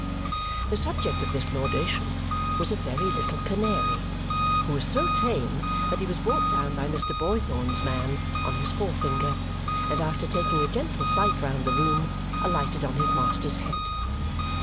The subject of this laudation was a very little canary, who was so tame that he was brought down by Mr. Boythorn's man, on his forefinger, and after taking a gentle flight round the room, alighted on his master's head.